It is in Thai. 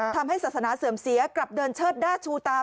ทำให้ศาสนาเสื่อมเสียกลับเดินเชิดหน้าชูตา